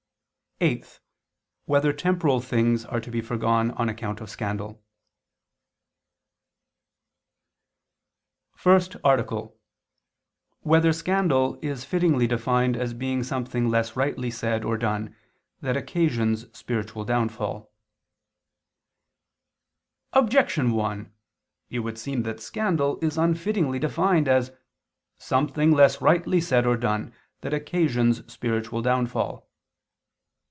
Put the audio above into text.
(8) Whether temporal things are to be foregone on account of scandal? _______________________ FIRST ARTICLE [II II, Q. 43, Art. 1] Whether Scandal Is Fittingly Defined As Being Something Less Rightly Said or Done That Occasions Spiritual Downfall? Objection 1: It would seem that scandal is unfittingly defined as "something less rightly said or done that occasions spiritual downfall."